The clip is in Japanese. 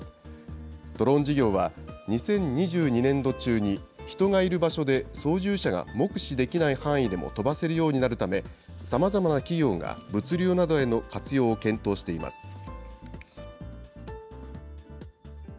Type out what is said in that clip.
ドローン事業は、２０２２年度中に人がいる場所で操縦者が目視できない範囲でも飛ばせるようになるため、さまざまな企業が物流などへの活用を検討しています。